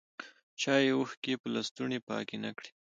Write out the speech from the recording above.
چایې اوښکي په لستوڼي پاکي نه کړې